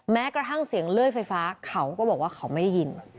แม้กระทั่งเสียงเลื่อยไฟฟ้าเขาก็บอกว่าเขาไม่ได้ยิน